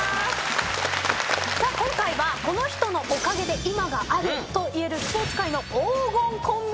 今回はこの人のおかげで今があるといえるスポーツ界の黄金コンビにお集まりいただきました。